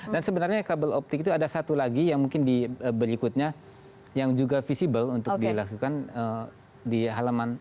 dan sebenarnya kabel optik itu ada satu lagi yang mungkin di berikutnya yang juga visible untuk dilakukan di halaman